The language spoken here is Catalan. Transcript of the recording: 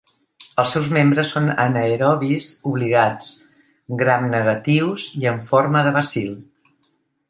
Els seus membres són anaerobis obligats, gramnegatius i amb forma de bacil.